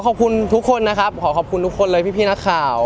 ขอบคุณทุกคนนะครับขอขอบคุณทุกคนเลยพี่นักข่าว